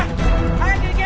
早く行け！